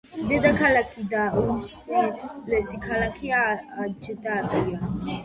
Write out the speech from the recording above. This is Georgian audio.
დედაქალაქი და უმსხვილესი ქალაქია აჯდაბია.